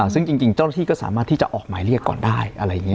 ซึ่งจริงเจ้าหน้าที่ก็สามารถที่จะออกหมายเรียกก่อนได้